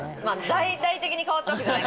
大々的に変わったわけじゃない。